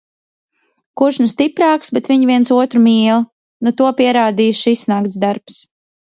Kurš nu stiprāks, bet viņi viens otru mīl. Nu to pierādīja šis nakts darbs.